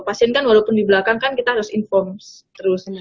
pasien kan walaupun di belakang kan kita harus informece terus